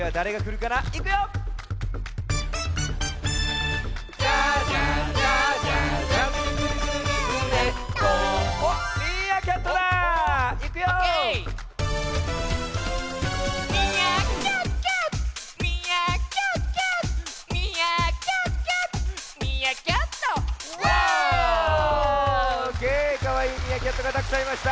かわいいミーアキャットがたくさんいました。